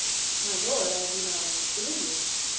"My lord, I do not understand you."